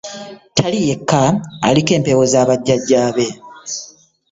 Tali yekka aliko empewo z’abajjajja be.